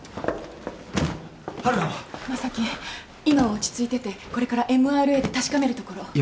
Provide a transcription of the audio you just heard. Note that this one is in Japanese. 今は落ち着いててこれからＭＲＡで確かめるところ。